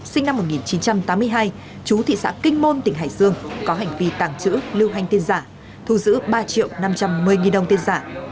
sinh năm một nghìn chín trăm tám mươi hai chú thị xã kinh môn tỉnh hải dương có hành vi tàng trữ lưu hành tiền giả thu giữ ba triệu năm trăm một mươi đồng tiền giả